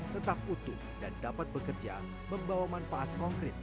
tetap utuh dan dapat bekerja membawa manfaat konkret